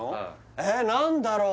えっ何だろう